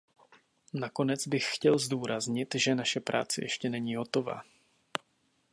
Nakonec bych chtěl zdůraznit, že naše práce ještě není hotova.